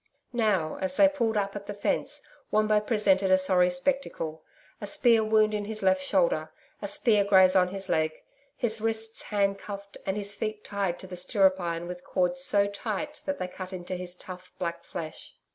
Now, as they pulled up at the fence, Wombo presented a sorry spectacle a spear wound in his left shoulder, a spear graze on his leg, his wrists handcuffed and his feet tied to the stirrup iron with cords so tight that they cut into his tough, black flesh.